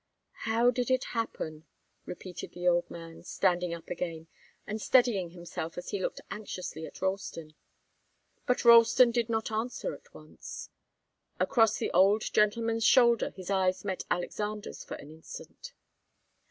"How did it happen?" repeated the old man, standing up again, and steadying himself, as he looked anxiously at Ralston. But Ralston did not answer at once. Across the old gentleman's shoulder his eyes met Alexander's for an instant.